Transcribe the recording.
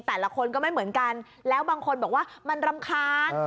แต่ละคนก็ไม่เหมือนกันแล้วบางคนบอกว่ามันรำคาญ